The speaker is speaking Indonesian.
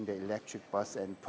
bus elektrik dan memandu